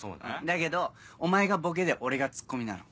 だけどお前がボケで俺がツッコミになるの。